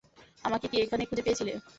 আমাকে কি এখানেই খুঁজে পেয়েছিলে?